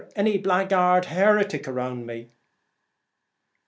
Any blackguard heretic around me